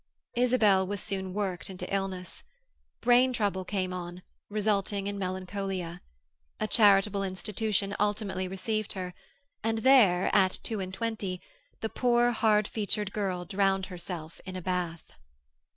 Isabel was soon worked into illness. Brain trouble came on, resulting in melancholia. A charitable institution ultimately received her, and there, at two and twenty, the poor hard featured girl drowned herself in a bath.